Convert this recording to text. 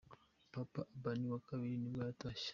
Papa Urban wa kabiri nibwo yatashye.